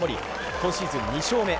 今シーズン２勝目。